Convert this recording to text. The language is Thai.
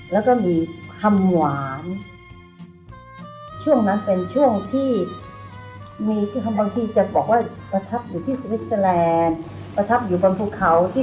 แล้วก็อมยิ้มตามไปด้วยก็คือความโรแมนติกที่แฝงอยู่ในที่น